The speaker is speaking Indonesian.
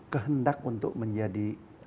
kehendak untuk menjadi